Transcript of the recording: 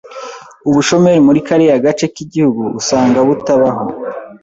Ubushomeri muri kariya gace k'igihugu usanga butabaho.